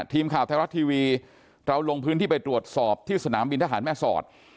ทีมข่าวไทยรัฐทีวีเราลงพื้นที่ไปตรวจสอบที่สนามบินทหารแม่สอด